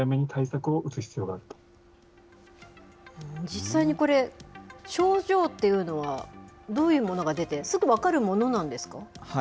実際にこれ、症状っていうのはどういうものが出て、すぐ分かるものなんですか？